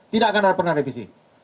tidak akan pernah revisi